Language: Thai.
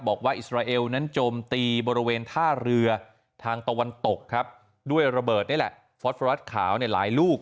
อิสราเอลนั้นโจมตีบริเวณท่าเรือทางตะวันตกครับด้วยระเบิดนี่แหละฟอสฟรัสขาวในหลายลูก